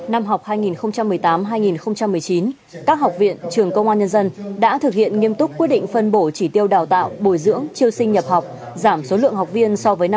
năm học hai nghìn một mươi tám hai nghìn một mươi chín các học viện trường công an nhân dân đã thực hiện nghiêm túc quyết định phân bổ chỉ tiêu đào tạo bồi dưỡng triêu sinh nhập học giảm số lượng học viên so với năm học